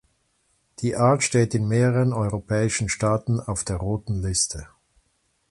Die Art steht in mehreren europäischen Staaten auf der Roten Liste.